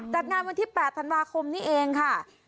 จัดงานวันที่๘ธันวาคมนี้เองค่ะ